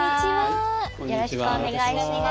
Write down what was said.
よろしくお願いします。